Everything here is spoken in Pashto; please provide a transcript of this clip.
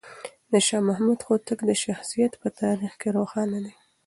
د شاه محمود هوتک شخصیت په تاریخ کې روښانه دی.